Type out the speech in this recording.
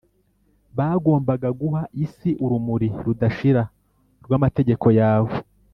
bagombaga guha isi urumuri rudashira rw’Amategeko yawe.